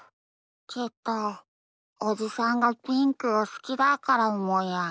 きっとおじさんがピンクをすきだからもや。